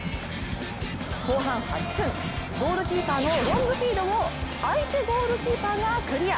後半８分、ゴールキーパーのロングフィードを相手ゴールキーパーがクリア。